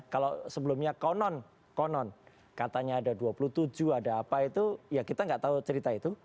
kalau sebelumnya konon konon katanya ada dua puluh tujuh ada apa itu ya kita nggak tahu cerita itu